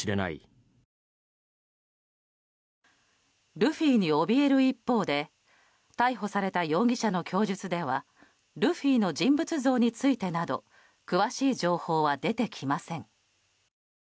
ルフィにおびえる一方で逮捕された容疑者の供述ではルフィの人物像についてなど詳しい情報は出てきません。